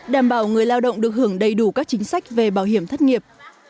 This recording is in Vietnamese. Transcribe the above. đảm bảo người lao động được hưởng đầy đủ các chính sách về bảo hiểm thất nghiệp